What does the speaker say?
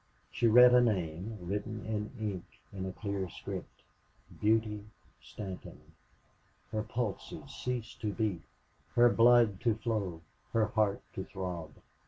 She read a name, written in ink, in a clear script: "Beauty Stanton." Her pulses ceased to beat, her blood to flow, her heart to throb.